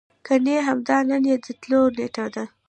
ګني همدا نن يې د راتللو نېټه ده.